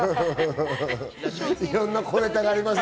いろんな小ネタがあります。